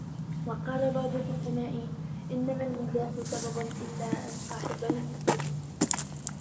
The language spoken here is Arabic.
وَقَالَ بَعْضُ الْحُكَمَاءِ إنَّمَا الْمِزَاحُ سِبَابٌ إلَّا أَنَّ صَاحِبَهُ يُضْحِكُ